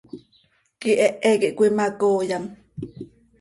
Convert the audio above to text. Quihehe quih cöimacooyam.